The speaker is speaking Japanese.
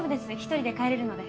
１人で帰れるので。